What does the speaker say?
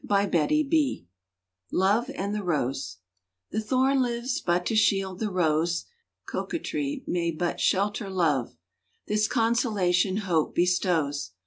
LOVE AND THE ROSE The thorn lives but to shield the rose; Coquetry may but shelter love! (This consolation Hope bestows).